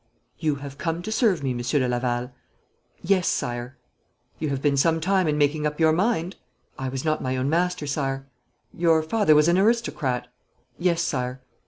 'You have come to serve me, Monsieur de Laval?' 'Yes, Sire.' 'You have been some time in making up your mind.' 'I was not my own master, Sire.' 'Your father was an aristocrat?' 'Yes, Sire.'